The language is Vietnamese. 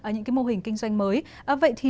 những cái mô hình kinh doanh mới